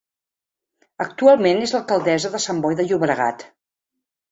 Actualment és l'alcaldessa de Sant Boi de Llobregat.